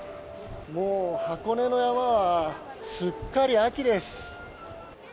もう、箱根の山はすっかり秋です。